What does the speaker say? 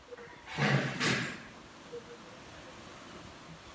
K tomuto dochází hlavně na západě a jihu Apeninského poloostrova.